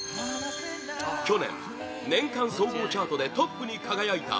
去年、年間総合チャートでトップに輝いた